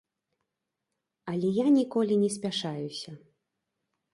Але я ніколі не спяшаюся.